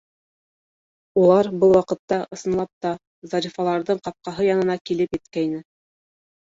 Улар был ваҡытта, ысынлап та, Зарифаларҙың ҡапҡаһы янына килеп еткәйне.